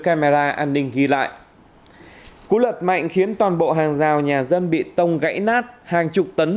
camera an ninh ghi lại cú lật mạnh khiến toàn bộ hàng rào nhà dân bị tông gãy nát hàng chục tấn